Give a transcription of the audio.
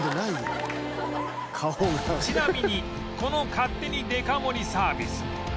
ちなみにこの勝手にデカ盛りサービス